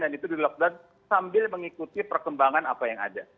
dan itu di lockdown sambil mengikuti perkembangan apa yang ada